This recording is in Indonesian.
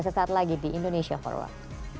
sesaat lagi di indonesia for work